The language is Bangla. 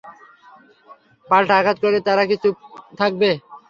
পাল্টা আঘাত করলে তারা কি চুপ থাকবে?